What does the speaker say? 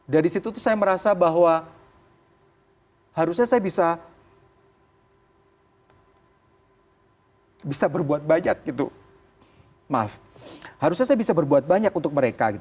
dari situ tuh saya merasa bahwa harusnya saya bisa berbuat banyak gitu maaf harusnya saya bisa berbuat banyak untuk mereka gitu